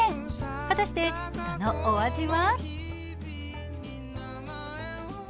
果たして、そのお味は？